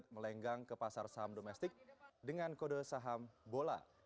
melenggang ke pasar saham domestik dengan kode saham bola